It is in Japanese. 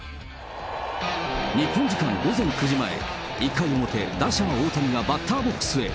日本時間午前９時前、１回表、打者、大谷がバッターボックスへ。